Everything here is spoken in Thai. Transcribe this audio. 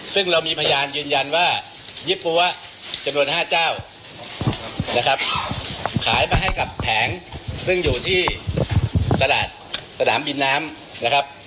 ซึ่งเรามีพยานยืนยันว่ายี่ปั๊วจำนวน๕เจ้านะครับขายมาให้กับแผงซึ่งอยู่ที่ตลาดสนามบินน้ำนะครับ